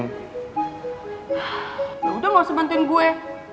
yaudah gak usah bantuin gue